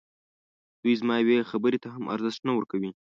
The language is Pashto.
دوی زما یوې خبري ته هم ارزښت نه ورکوي.